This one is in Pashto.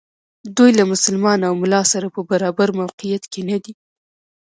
دوی له مسلمان او ملا سره په برابر موقعیت کې ندي.